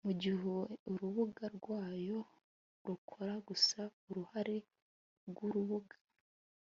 mugihe urubuga rwayo rukora gusa uruhare rwurubuga